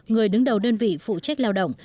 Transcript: người đứng đầu đơn vị phụ trách lao động